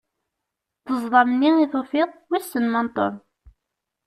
Ṭṭezdam-nni i tufiḍ, wissen ma n Tom?